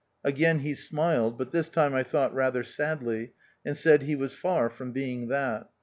Again he smiled, but this time I thought rather sadly, and said, he was far from being that.